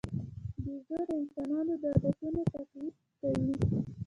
بیزو د انسانانو د عادتونو تقلید کوي.